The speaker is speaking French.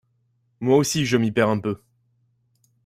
Moi aussi, je m’y perds un peu.